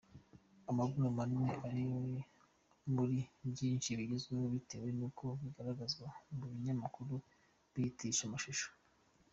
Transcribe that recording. Amabuno manini ari muri byinshi bigezweho bitewe n’uko bigaragazwa mu binyamakuru bihitisha amashusho.